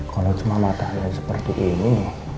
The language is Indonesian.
kalau cuma mata dia seperti ini